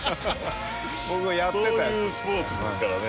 そういうスポーツですからね。